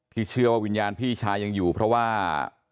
เชื่อว่าวิญญาณพี่ชายยังอยู่เพราะว่า